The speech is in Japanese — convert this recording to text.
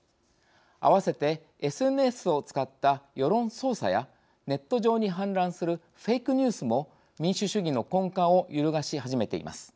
併せてＳＮＳを使った世論操作やネット上に氾濫するフェイクニュースも民主主義の根幹を揺るがし始めています。